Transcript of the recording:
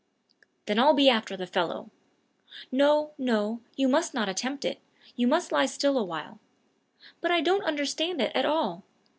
"Then I'll be after the fellow." "No, no; you must not attempt it. You must lie still awhile. But I don't understand it at all!